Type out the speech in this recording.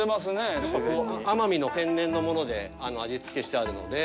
やっぱり、奄美の天然のもので味付けしてあるので。